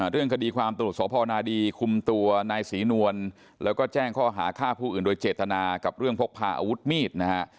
เรื่องคดีความตรวจสพนาดีคุมตัวนายศรีนวลแล้วก็แจ้งข้อหาฆ่าผู้อื่นโดยเจตนากับเรื่องพกพาอาวุธมีดนะฮะ